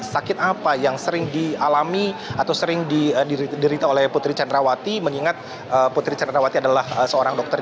sakit apa yang sering dialami atau sering diderita oleh putri candrawati mengingat putri candrawati adalah seorang dokter